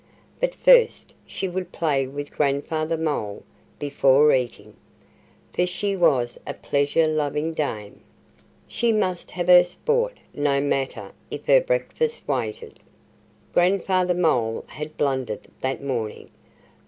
But first she would play with Grandfather Mole, before eating. For she was a pleasure loving dame. She must have her sport, no matter if her breakfast waited. Grandfather Mole had blundered that morning.